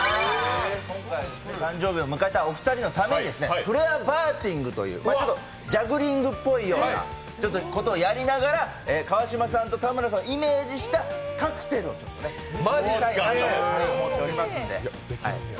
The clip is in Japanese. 今回は誕生日を迎えたお二人のためにフレアバーテンディングというジャグリングっぽいようなことをやりながら川島さんと田村さんをイメージしたカクテルをと思っておりますので。